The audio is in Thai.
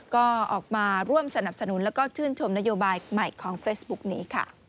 ก็ออกมาร่วมสนับสนุนแล้วก็ชื่นชมนโยบายใหม่ของเฟซบุ๊กนี้ค่ะ